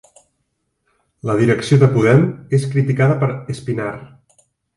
La direcció de Podem és criticada per Espinar